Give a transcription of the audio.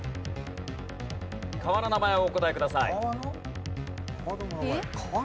川の名前をお答えください。